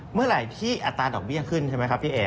เมื่อไหร่ที่อัตราดอกเบี้ยขึ้นใช่ไหมครับพี่เอ๋